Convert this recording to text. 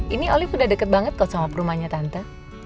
ini olive sudah dekat banget kok sama perumahnya tante